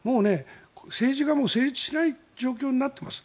政治が成立しない状況になっています。